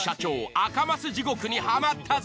赤マス地獄にはまったぞ。